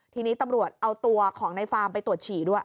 ทีนี้ตำรวจเอาตัวของในฟาร์มไปตรวจฉี่ด้วย